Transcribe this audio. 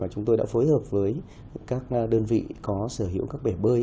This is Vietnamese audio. chúng tôi đã phối hợp với các đơn vị có sở hữu các bể bơi